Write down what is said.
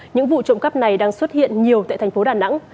những vụ trộm cắp này đang xuất hiện nhiều tại thành phố đà nẵng